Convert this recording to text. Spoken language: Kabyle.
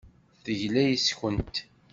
Tegla yes-kent.